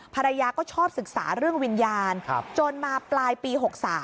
ภรรยาก็ชอบศึกษาเรื่องวิญญาณจนมาปลายปี๖๓